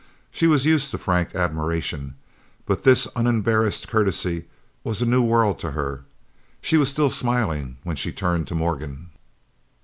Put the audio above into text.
She was used to frank admiration, but this unembarrassed courtesy was a new world to her. She was still smiling when she turned to Morgan.